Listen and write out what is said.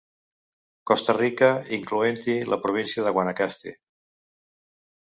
Costa Rica, incloent-hi la província de Guanacaste.